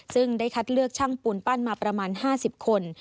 ซึ่งได้คัดเลือกช่างปูนปั้นมาประมาณ๕๐คน